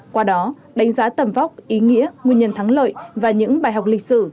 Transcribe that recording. qua đó đánh giá tầm vóc ý nghĩa nguyên nhân thắng lợi và những bài học lịch sử